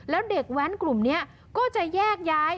แล้วเด็กแว้นกลุ่มนี้ก็จะแยกย้าย